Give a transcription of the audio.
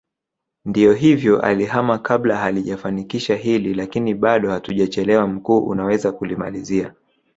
Ndio hivyo alihama kabla hajalifanikisha hili lakini bado hatujachelewa mkuu unaweza kulimalizia